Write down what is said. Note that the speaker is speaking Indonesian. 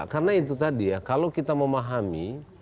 karena itu tadi ya kalau kita memahami